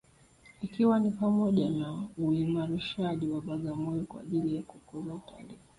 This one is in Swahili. Ikiwa ni pamoja na uimarishaji wa Bagamoyo kwa ajili ya kukuza utalii